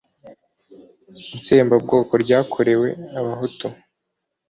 itsembabwoko ryakorewe abahutu